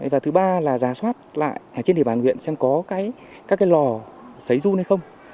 và thứ ba là giả soát lại trên địa bàn huyện xem có các cái lò xấy run hay không